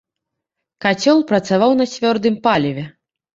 Кацёл працаваў на цвёрдым паліве.